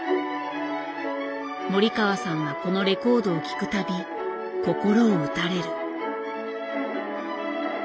森川さんはこのレコードを聴く度心を打たれる。